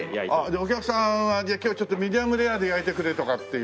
お客さんはじゃあ今日ミディアムレアで焼いてくれとかっていう。